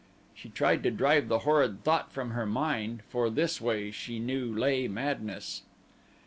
She tried to drive the horrid thought from her mind, for this way, she knew, lay madness.